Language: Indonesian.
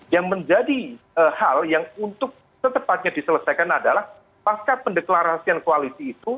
yang menjadi hal yang untuk setepatnya diselesaikan adalah pasca pendeklarasian koalisi itu